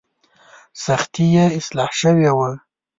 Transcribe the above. سختي یې اصلاح شوې وه.